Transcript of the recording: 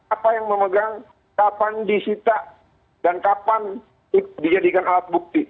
apa yang memegang kapan disita dan kapan dijadikan alat bukti